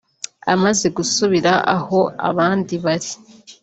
Amaze gusubira aho abandi bari